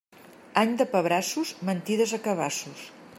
Any de pebrassos, mentides a cabassos.